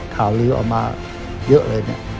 ข่าวลือก็ออกมาเยอะเลย